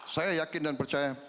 saya yakin dan percaya